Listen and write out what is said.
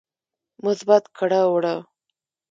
مثبت کړه وړه